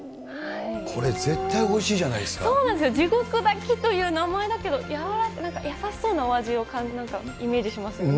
これ、絶対おいしいじゃないそうなんですよ、地獄炊きという名前だけど、なんか優しそうなお味をイメージしますよね。